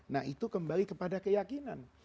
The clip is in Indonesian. nah itu kembali kepada keyakinan